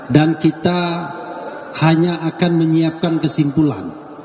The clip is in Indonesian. dan kita hanya akan menyiapkan kesimpulan